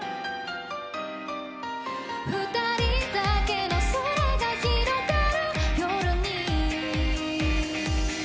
「二人だけの空が広がる夜に」